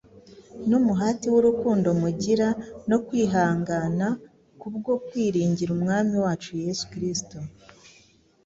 n’umuhati w’urukundo mugira, no kwihangana kubwo kwiringira Umwami wacu Yesu Kisto,